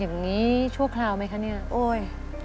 อย่างนี้ชั่วคราวไหมคะเนี่ยโอ๊ย